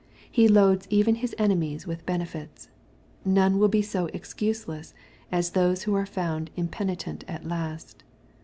He loads even His enemies with benefits. None will be so excuse less as those who are found impenitent at last.